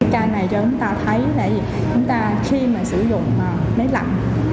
cái này cho chúng ta thấy là khi mà sử dụng mấy lạnh